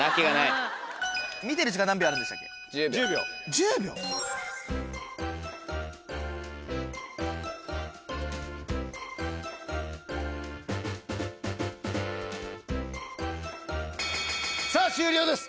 １０秒⁉さぁ終了です